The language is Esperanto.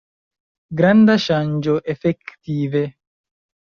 Granda ŝanĝo, efektive.